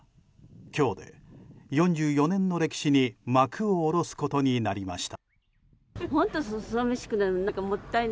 今日で４４年の歴史に幕を下ろすことになりました。